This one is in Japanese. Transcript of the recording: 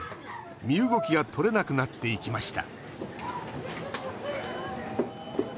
身動きが取れなくなっていきました